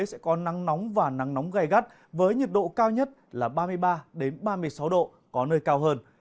sẽ có nắng nóng và nắng nóng gai gắt với nhiệt độ cao nhất là ba mươi ba ba mươi sáu độ có nơi cao hơn